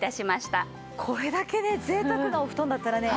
これだけね贅沢なお布団だったらね